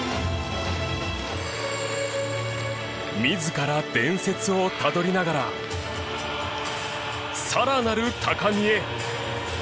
自ら伝説をたどりながらさらなる高みへ。